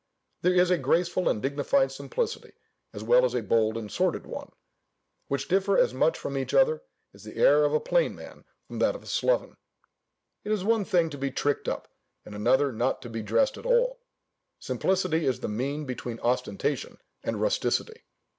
There is a graceful and dignified simplicity, as well as a bold and sordid one; which differ as much from each other as the air of a plain man from that of a sloven: it is one thing to be tricked up, and another not to be dressed at all. Simplicity is the mean between ostentation and rusticity.